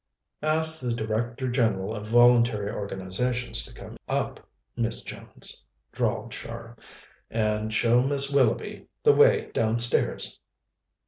"Ask the Director General of Voluntary Organizations to come up, Miss Jones," drawled Char. "And show Mrs. Willoughby the way downstairs."